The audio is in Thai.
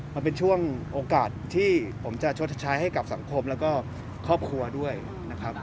มันเป็นช่วงโอกาสที่ผมจะชดใช้ให้กับสังคมแล้วก็ครอบครัวด้วยนะครับ